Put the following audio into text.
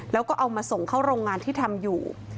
แล้วก็เอามาส่งเข้าโรงงานที่ทำอยู่